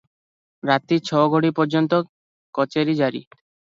ରାତି ଛ'ଘଡ଼ି ପର୍ଯ୍ୟନ୍ତ କଚେରୀ ଜାରୀ ।